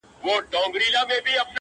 انګولاوي به خپرې وې د لېوانو!!